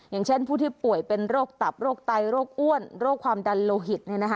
อย่างเช่นผู้ที่ป่วยเป็นโรคตับโรคไตโรคอ้วนโรคความดันโลหิต